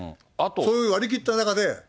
そういう割り切った中で。